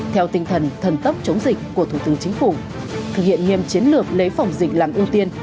theo tinh thần thần tốc chống dịch của thủ tướng chính phủ thực hiện nghiêm chiến lược lấy phòng dịch làm ưu tiên